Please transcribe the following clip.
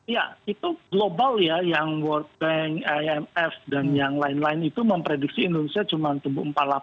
ya itu global ya yang world bank imf dan yang lain lain itu memprediksi indonesia cuma tumbuh empat puluh delapan